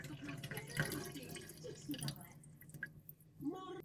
Po dvou letech se rodina odstěhovala do Prahy.